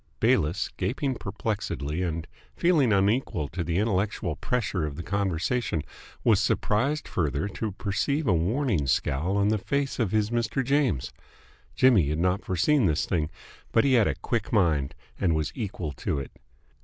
Bayliss, gaping perplexedly and feeling unequal to the intellectual pressure of the conversation, was surprised further to perceive a warning scowl on the face of his Mr. James. Jimmy had not foreseen this thing, but he had a quick mind and was equal to it.